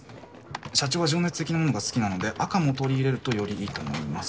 社長は情熱的なものが好きなので赤も取り入れるとよりいいと思います。